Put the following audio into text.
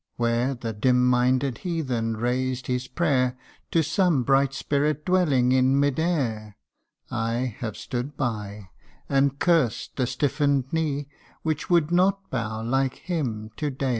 Where the dim minded Heathen raised his prayer To some bright spirit dwelling in mid air, I have stood by, and cursed the stiffen'd knee Which would not bow like him to Deity.